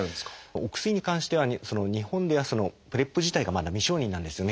お薬に関しては日本ではＰｒＥＰ自体がまだ未承認なんですよね。